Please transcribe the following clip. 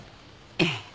ええ。